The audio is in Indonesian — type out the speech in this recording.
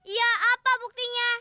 iya apa buktinya